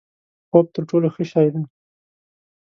خوب تر ټولو ښه شی دی؛